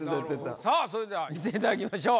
それでは見ていただきましょう。